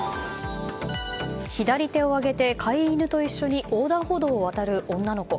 左手を上げて飼い犬と一緒に横断歩道を渡る女の子。